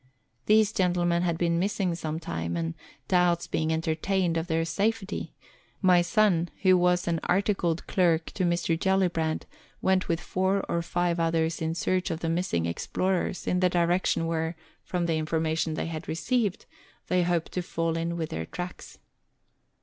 These gentlemen had been missing some time, and, doubts being entertained of their safety, my son, who was an Letters from Victorian Pioneers. 130' articled clerk to Mr. Gellibrand, went with four or five others in search of the missing explorers in the direction where, from the information they had received, they hoped to fall in with their tracks.